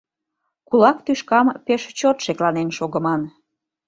Кулак тӱшкам пеш чот шекланен шогыман.